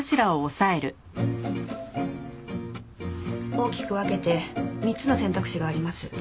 大きく分けて３つの選択肢があります。